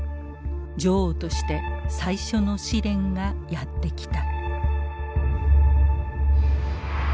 女王として最初の試練がやって来た。